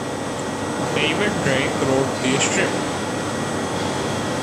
David Drake wrote the strip.